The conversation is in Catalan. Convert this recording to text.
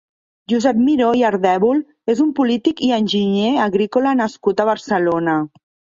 Josep Miró i Ardèvol és un polític i enginyer agrícola nascut a Barcelona.